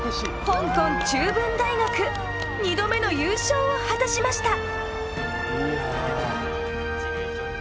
香港中文大学二度目の優勝を果たしました！